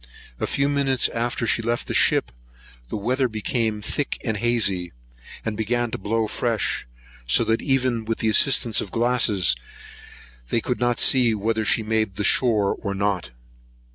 A few minutes after she left the ship, the weather became thick and hazy, and began to blow fresh; so that, even with the assistance of glasses, they could not see whether she made the shore or not.